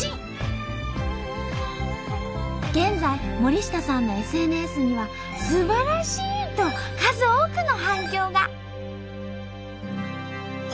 現在森下さんのＳＮＳには「すばらしい！」と数多くの反響が！